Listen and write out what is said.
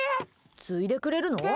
ついでくれるの？